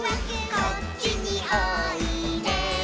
「こっちにおいで」